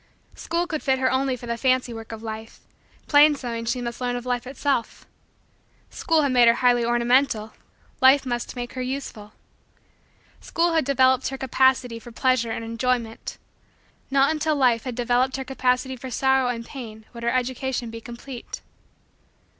School could fit her only for the fancy work of Life: plain sewing she must learn of Life itself. School had made her highly ornamental: Life must make her useful. School had developed her capacity for pleasure and enjoyment: not until Life had developed her capacity for sorrow and pain would her education be complete.